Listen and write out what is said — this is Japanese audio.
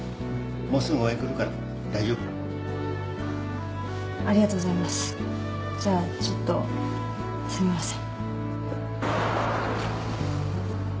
もうすぐ応援来るから大丈夫よありがとうございますじゃあちょっとすいません